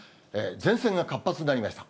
前線が活発になりました。